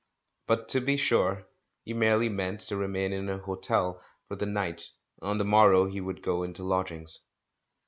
But, to be sure, he merely meant to remain in an hotel for the night — on the morrow he would go into lodg ings.